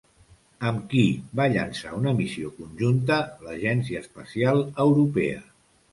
Amb qui va llançar una missió conjunta l'Agència Espacial Europea?